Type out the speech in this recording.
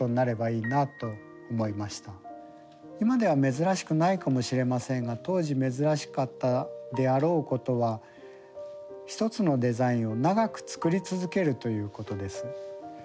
今では珍しくないかもしれませんが当時珍しかったであろうことは一つのデザインを長く作り続けるということです。